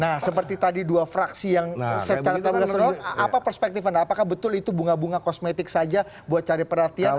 nah seperti tadi dua fraksi yang secara terorisme apa perspektif anda apakah betul itu bunga bunga kosmetik saja buat cari perhatian